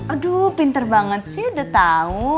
aduh pinter banget sih udah tau